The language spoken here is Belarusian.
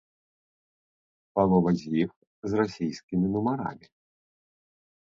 Палова з іх з расійскімі нумарамі.